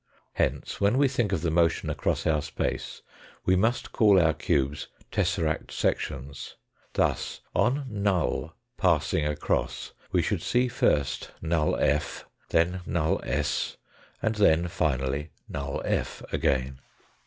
Hence, when we think of the motion 240 THE FOURTH DIMENSION a cross our space we must call our cubes tesseraci sections. Thus on null pass ing across we should see first null f., then null s., and then, finally, null f. again.